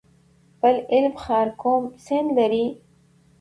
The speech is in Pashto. پل علم ښار کوم سیند لري؟